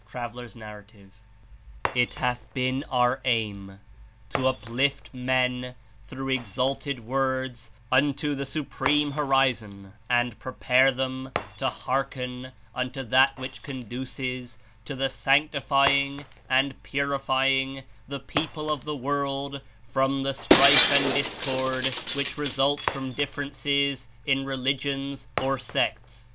( T. N.) "It has been our aim to uplift men through exalted Words unto the Supreme Horizon and prepare them to hearken unto that which conduces to the sanctifying and purifying the people of the world from the strife and discord which results from differences in religions 90 (or sects)